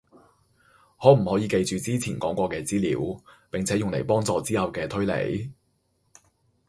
可唔可以記住之前講過嘅資料，並且用嚟幫助之後嘅推理